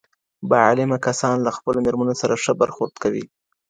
باعلمه کسان له خپلو مېرمنو سره ښه برخورد کوي.